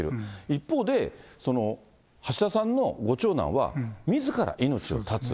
一方で、橋田さんのご長男は、みずから命を絶つ。